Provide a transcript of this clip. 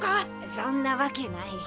そんなわけない。